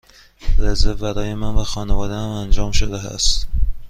رزرو برای من و خانواده ام انجام شده است.